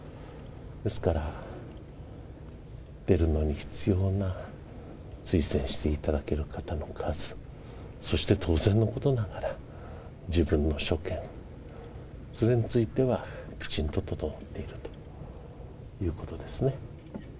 ですから、出るのに必要な推薦していただける方の数、そして当然のことながら、自分の所見、それについては、きちんと整っているということですね。